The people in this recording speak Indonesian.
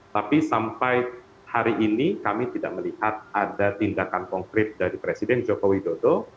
tapi sampai hari ini kami tidak melihat ada tindakan konkret dari presiden joko widodo